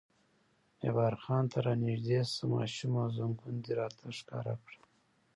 جبار خان: ته را نږدې شه ماشومه، زنګون دې راته ښکاره کړه.